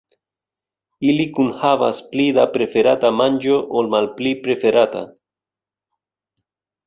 Ili kunhavas pli da preferata manĝo ol malpli preferata.